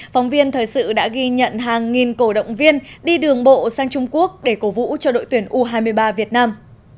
phóng viên thời sự đã ghi nhận hàng nghìn cổ động viên đi đường bộ sang trung quốc để cổ vũ cho đội tuyển u hai mươi ba việt nam